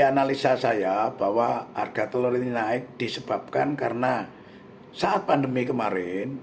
analisa saya bahwa harga telur ini naik disebabkan karena saat pandemi kemarin